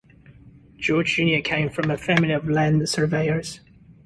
George Junior came from a family of land surveyors.